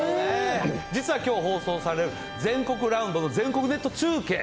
実はきょう、放送される全国ラウンドの全国ネット中継。